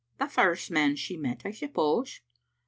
" The first man she met, I suppose.